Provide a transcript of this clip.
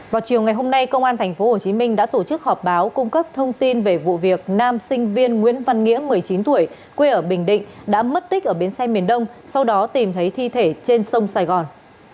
vào chiều ngày hôm nay công an tp hcm đã tổ chức họp báo cung cấp thông tin về vụ việc nam sinh viên nguyễn văn nghĩa một mươi chín tuổi quê ở bình định đã mất tích ở bến xe miền đông sau đó tìm thấy thi thể trên sông sài gòn